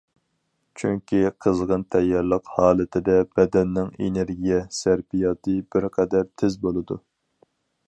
چۈنكى، قىزغىن تەييارلىق ھالىتىدە بەدەننىڭ ئېنېرگىيە سەرپىياتى بىر قەدەر تېز بولىدۇ.